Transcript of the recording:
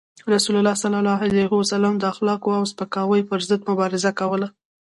رسول الله صلى الله عليه وسلم د اخلاقو او سپکاوي پر ضد مبارزه کوله.